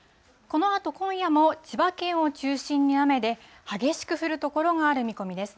このあと今夜も千葉県を中心に雨で、激しく降る所がある見込みです。